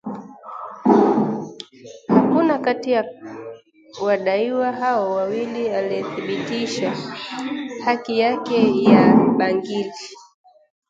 Hakuna kati ya wadaiwa hao wawili aliyethibitisha haki yake ya bangili